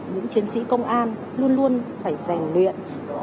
những chiến sĩ công an luôn luôn phải rèn luyện